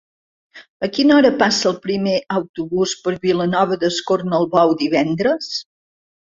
A quina hora passa el primer autobús per Vilanova d'Escornalbou divendres?